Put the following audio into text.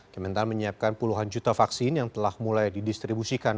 kementan menyiapkan puluhan juta vaksin yang telah mulai didistribusikan